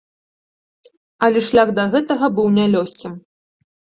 Але шлях да гэтага быў нялёгкім.